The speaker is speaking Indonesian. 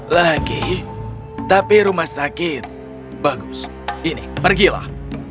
lagi tapi rumah sakit bagus ini pergilah